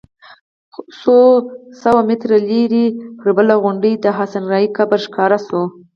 څو سوه متره لرې پر بله غونډۍ د حسن الراعي قبر ښکاره شو.